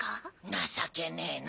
情けねえな。